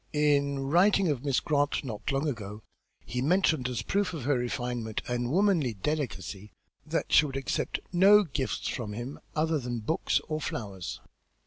In writing of Miss Grant not long ago he mentioned as a proof of her refinement and womanly delicacy that she would accept no gifts from him other than books or flowers."